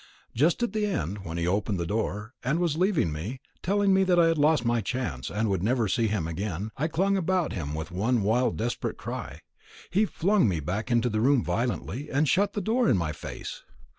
Just at the end, when he had the door open, and was leaving me, telling me that I had lost my last chance, and would never see him again, I clung about him with one wild desperate cry. He flung me back into the room violently, and shut the door in my face.